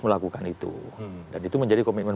melakukan itu dan itu menjadi komitmen